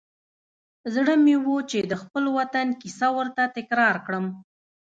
زړه مې و چې د خپل وطن کیسه ورته تکرار کړم.